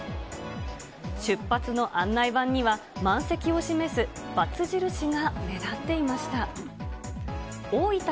出発の案内板には、満席を示す×印が目立っていました。